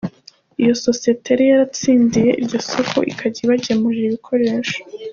Iyo sosiyete yari yaratsindiye iryo soko, ikajya ibagemurira ibikoresho.